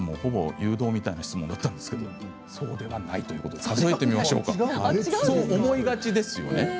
誘導みたいな質問だったんですがそうではないということでそう思いがちですよね。